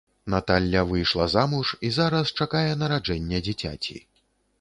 Наталля выйшла замуж і зараз чакае нараджэння дзіцяці.